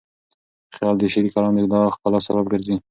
خیال د شعري کلام د لا ښکلا سبب ګرځي.